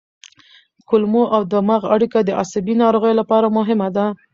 کولمو او دماغ اړیکه د عصبي ناروغیو لپاره مهمه ده.